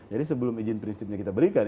jadi sebelum izin prinsipnya kita berikan